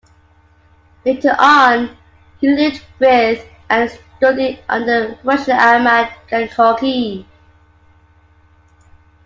Later on, he lived with and studied under Rashid Ahmad Gangohi.